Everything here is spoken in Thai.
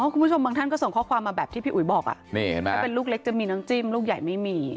คุณผู้ชมบางท่านก็ส่งข้อความมาแบบที่พี่อุ๋ยบอกถ้าเป็นลูกเล็กจะมีน้ำจิ้มลูกใหญ่ไม่มี